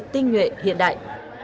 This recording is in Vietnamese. tinh nhuệ hiện đại